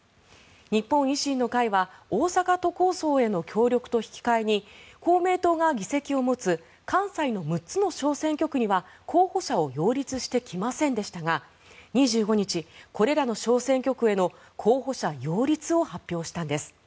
日本維新の会は大阪都構想の協力と引き換えに公明党が議席を持つ関西の６つの小選挙区には候補者を擁立してきませんでしたが２５日、これらの小選挙区への候補者擁立を発表したんです。